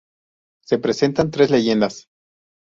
Se presentan tres leyendas.